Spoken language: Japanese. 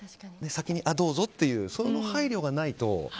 先にどうぞっていう配慮がないと。